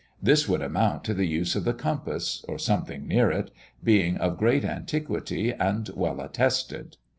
This would amount to the use of the compass, or something near it, being of great antiquity and well attested."